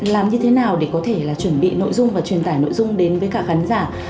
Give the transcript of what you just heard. làm như thế nào để có thể là chuẩn bị nội dung và truyền tải nội dung đến với cả khán giả